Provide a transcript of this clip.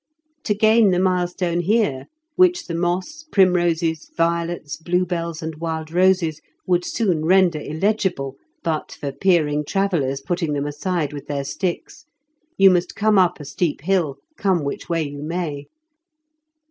To gain the milestone here, which the moss, primroses, violets, blue bells, and wild roses would soon render illegible, but for peering travellers putting them aside with their sticks, you must come up a steep hill, come which way you may.